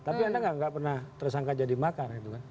tapi anda nggak pernah tersangka jadi makar